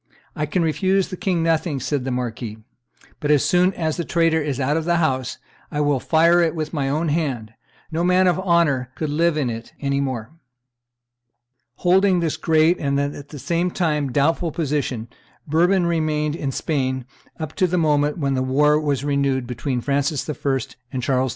"I can refuse the king nothing," said the marquis; "but as soon as the traitor is out of the house, I will fire it with my own hand; no man of honor could live in it any more." Holding this great and at the same time doubtful position, Bourbon remained in Spain up to the moment when the war was renewed between Francis I. and Charles V.